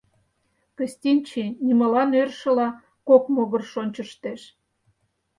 Кыстинчи, нимолан ӧршыла, кок могырыш ончыштеш.